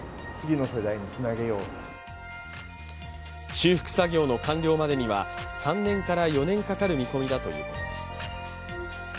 修復作業の完了までには３年から４年かかる見込みだということです。